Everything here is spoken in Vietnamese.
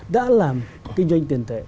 đã làm kinh doanh tiền tệ